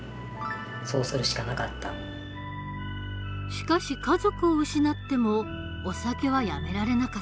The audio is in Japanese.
しかし家族を失ってもお酒はやめられなかった。